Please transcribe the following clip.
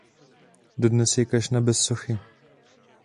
Dodnes je kašna bez sochy.